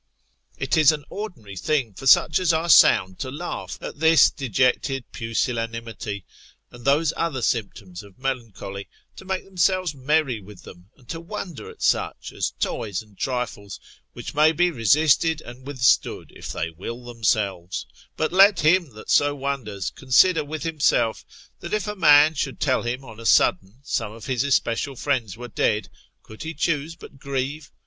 It is an ordinary thing for such as are sound to laugh at this dejected pusillanimity, and those other symptoms of melancholy, to make themselves merry with them, and to wonder at such, as toys and trifles, which may be resisted and withstood, if they will themselves: but let him that so wonders, consider with himself, that if a man should tell him on a sudden, some of his especial friends were dead, could he choose but grieve?